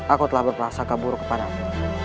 aku telah berperasa kabur kepadamu